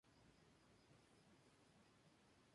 Es operado por el Indian Wells Valley Airport District.